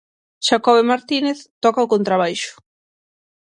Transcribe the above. Xacobe Martínez toca o contrabaixo.